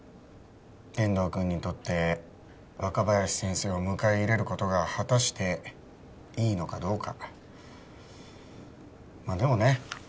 天堂君にとって若林先生を迎え入れることが果たしていいのかどうかまあでもね